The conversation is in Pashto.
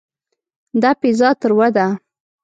دا پیزا تروه ده.